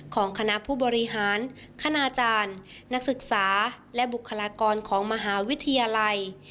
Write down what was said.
ของคณะผู้บริหารคณาจารย์นักศึกษาและบุคลากรของมหาวิทยาลัย